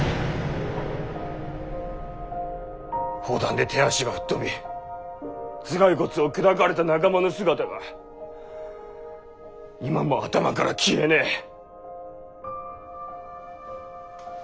砲弾で手足が吹っ飛び頭蓋骨を砕かれた仲間の姿が今も頭から消えねぇ。